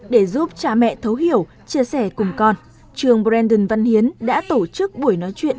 để giúp cha mẹ thấu hiểu chia sẻ cùng con trường branden văn hiến đã tổ chức buổi nói chuyện